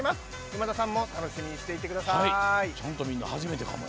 今田さんも楽しみにしていてください。